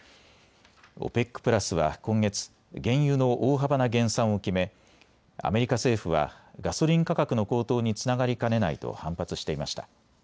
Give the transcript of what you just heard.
ＯＰＥＣプラスは今月、原油の大幅な減産を決めアメリカ政府はガソリン価格の高騰につながりかねないと反発していました。